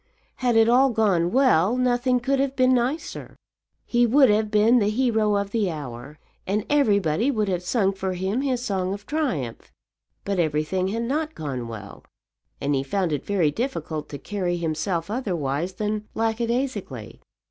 Had it all gone well, nothing could have been nicer. He would have been the hero of the hour, and everybody would have sung for him his song of triumph. But everything had not gone well, and he found it very difficult to carry himself otherwise than lackadaisically.